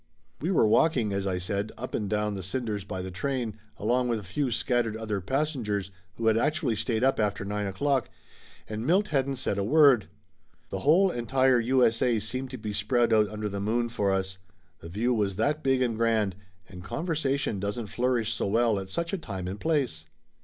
We were walking, as I said, up and down the cin ders by the train, along with a few scattered other passengers who had actually stayed up after nine o'clock, and Milt hadn't said a word. The whole en tire U. S. A. seemed to be spread out under the moon for us, the view was that big and grand, and conver sation doesn't flourish so well at such a time and place.